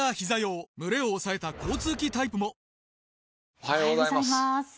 おはようございます。